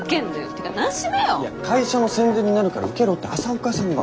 いや会社の宣伝になるから受けろって朝岡さんが。